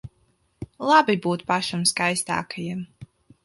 Labi būt pašam skaistākajam.